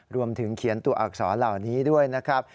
รวมถึงเขียนตัวอักษรเหล่านี้ด้วยนะครับ